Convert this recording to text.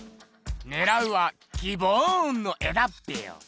ねらうはギボーンの絵だってよ。